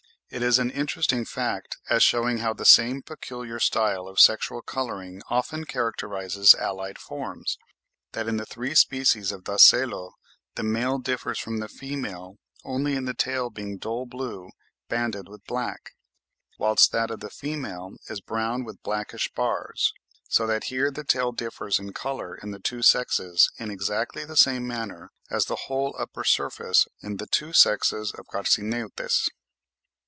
It is an interesting fact, as shewing how the same peculiar style of sexual colouring often characterises allied forms, that in three species of Dacelo the male differs from the female only in the tail being dull blue banded with black, whilst that of the female is brown with blackish bars; so that here the tail differs in colour in the two sexes in exactly the same manner as the whole upper surface in the two sexes of Carcineutes.